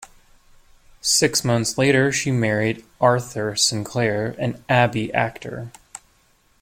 Six months later she married Arthur Sinclair, an Abbey actor.